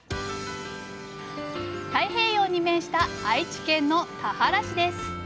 太平洋に面した愛知県の田原市です。